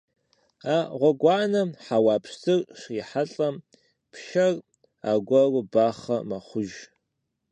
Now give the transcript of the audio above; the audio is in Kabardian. А гъуэгуанэм хьэуа пщтыр щрихьэлӀэмэ, пшэр аргуэру бахъэ мэхъуж.